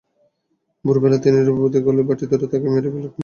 ভোরবেলা তিনি রূপন্তীর গলায় বঁটি ধরে তাকে মেরে ফেলার হুমকি দেন।